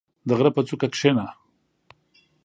• د غره په څوکه کښېنه.